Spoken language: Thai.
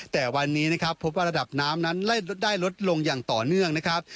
แต่วันนี้นะครับพบว่าระดับน้ำนั้นได้ลดลงอย่างต่อเนื่องนะครับ